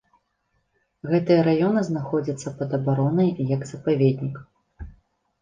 Гэтыя раёны знаходзяцца пад абаронай як запаведнік.